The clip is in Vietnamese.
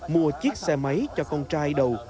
mua chiếc xe máy cho con trai đầu